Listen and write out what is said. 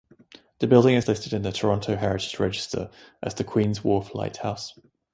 The building is listed in the Toronto Heritage Register, as the "Queen's Wharf Lighthouse".